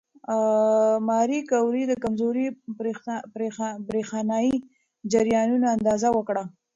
ماري کوري د کمزورو برېښنايي جریانونو اندازه وکړه.